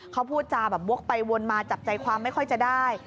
เขาพูดจาแบบวกไปวนมาจับใจความไม่ค่อยจะได้